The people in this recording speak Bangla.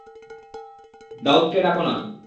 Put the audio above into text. দাউদকে ডাক না।